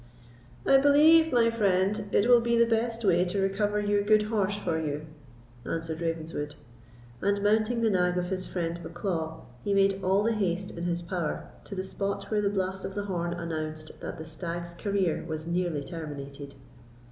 "I believe, my friend, it will be the best way to recover your good horse for you," answered Ravenswood; and mounting the nag of his friend Bucklaw, he made all the haste in his power to the spot where the blast of the horn announced that the stag's career was nearly terminated.